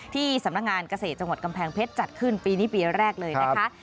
ที่สำนักงานเกษตรจังหวัดกำแพงเพชรจัดขึ้นปีนี้ปีแรกเลยนะคะ